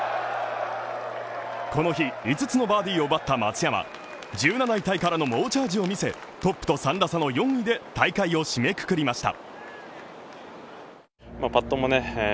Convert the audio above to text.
この日五つのバーディーを奪った松山１７位タイからの猛チャージを見せ、トップと３打差の４位で大会を締めくくりました。